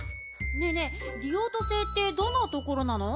ねえねえリオート星ってどんなところなの？